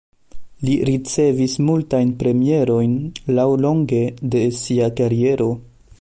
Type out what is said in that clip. Li ricevis multajn premiojn laŭlonge de sia kariero.